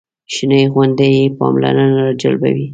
شنې غونډۍ یې پاملرنه راجلبوي.